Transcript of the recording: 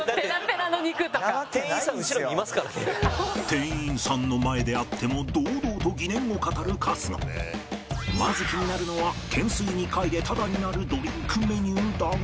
店員さんの前であってもまず気になるのは懸垂２回でタダになるドリンクメニューだが。